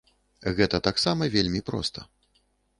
Гэта таксама вельмі проста.